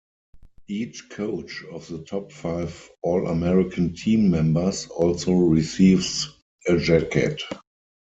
Each coach of the top five All-American Team members also receives a jacket.